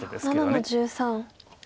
白７の十三。